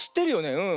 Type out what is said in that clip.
うん。